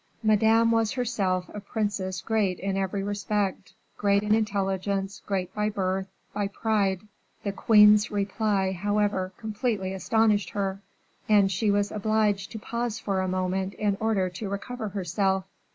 Madame was herself a princess great in every respect, great in intelligence, great by birth, by pride; the queen's reply, however, completely astonished her, and she was obliged to pause for a moment in order to recover herself.